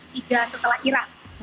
tiga setelah iran